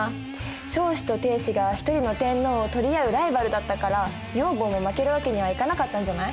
彰子と定子が一人の天皇を取り合うライバルだったから女房も負けるわけにはいかなかったんじゃない？